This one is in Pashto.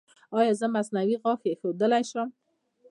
ایا زه مصنوعي غاښ ایښودلی شم؟